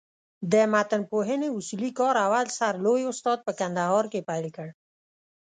د متنپوهني اصولي کار اول سر لوى استاد په کندهار کښي پېل کړ.